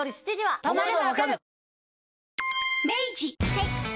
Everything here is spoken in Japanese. はい。